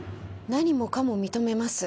何もかも認めます。